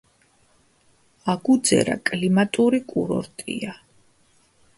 აგუძერა კლიმატური კურორტია.